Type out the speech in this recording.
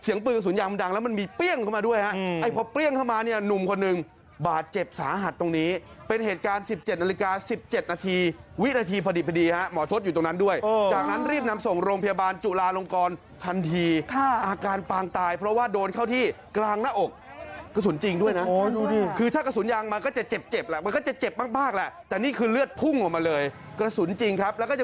ย้อนไปดูตรงเหตุการณ์ที่มีการยิงกันก่อนนะฮะ